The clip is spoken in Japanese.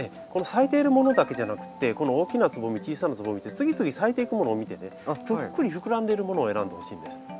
この咲いているものだけじゃなくてこの大きなつぼみ小さなつぼみって次々咲いていくものを見てねぷっくり膨らんでいるものを選んでほしいんです。